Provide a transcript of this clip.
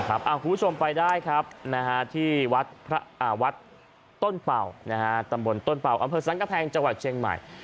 คุณผู้ชมไปได้ครับที่วัดต้นเป่าตำบลต้นเป่าอำเภอสังกะแพงจังหวัดเชียงใหม่